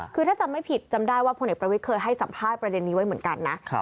คือถ้าจำไม่ผิดจำได้ว่าพลเอกประวิทย์เคยให้สัมภาษณ์ประเด็นนี้ไว้เหมือนกันนะ